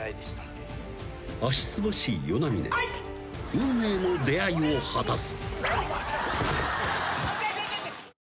運命の出会いを果たす］